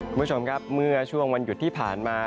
คุณผู้ชมครับเมื่อช่วงวันหยุดที่ผ่านมา